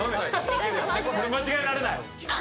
間違えられない！